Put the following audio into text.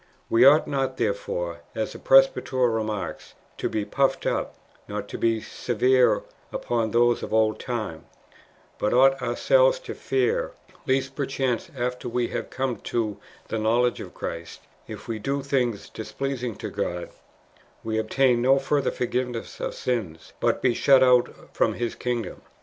We ought not, therefore, as that presbyter remarks, to be puffed up, nor be severe npon those of old time, but ought ourselves to fear, lest perchance, after [we have come to] the knowledge of Christ, if we do things displeasing to God, we obtain no further forgiveness of sins, but be shut out from His kingdom.